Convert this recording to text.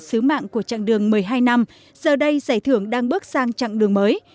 sứ mạng của chặng đường một mươi hai năm giờ đây giải thưởng đang bước sang chặng đường mới